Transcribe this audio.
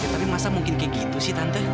tapi masa mungkin kayak gitu sih tante